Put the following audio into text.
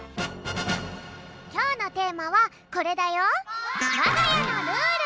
きょうのテーマはこれだよ。